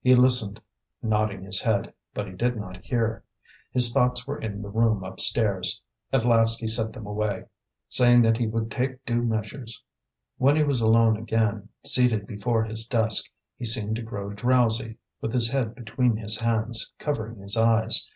He listened, nodding his head, but he did not hear; his thoughts were in the room upstairs. At last he sent them away, saying that he would take due measures. When he was alone again, seated before his desk, he seemed to grow drowsy, with his head between his hands, covering his eyes.